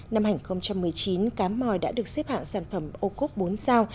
năm hai nghìn một mươi chín cá mòi đã được xếp hạng sản phẩm ô cốp bốn sao